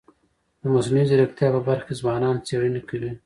د مصنوعي ځیرکتیا په برخه کي ځوانان څېړني کوي.